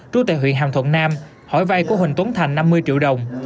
trú tệ huyện hàm thuận nam hỏi vây của huỳnh tuấn thành năm mươi triệu đồng